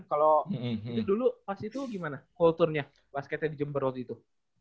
kalau itu dulu pas itu gimana kulturnya basketnya di jember waktu itu